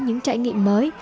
những trải nghiệm mới